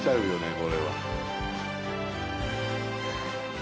これは。